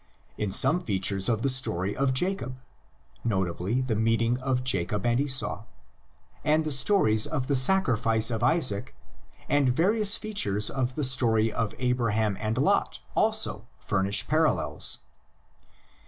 in some features of the story of Jacob (notably the meeting of Jacob and Esau) ; and the stories of the sacrifice of Isaac and various features of the story of Abra ham and Lot also furnish parallels.